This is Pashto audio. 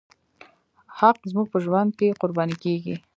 حق زموږ په ژوند کې قرباني کېږي.